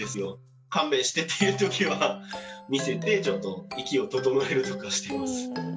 勘弁してっていう時は見せてちょっと息を整えるとかしてます。